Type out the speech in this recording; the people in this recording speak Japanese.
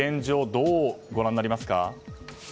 どうご覧になりますか？